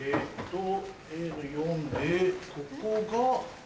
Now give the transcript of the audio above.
ここが。